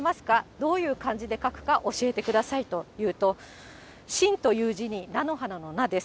どういう漢字で書くか教えてくださいというと、真という字に菜の花の菜です。